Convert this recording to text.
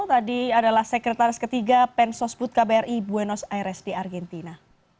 tadi adalah sekretaris ketiga pensosbud kbri buenos aires di argentina